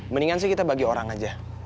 mendingan sih kita bagi orang aja